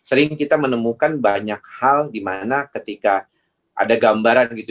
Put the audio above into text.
jadi seringkali kita menemukan banyak hal di mana ketika ada gambaran gitu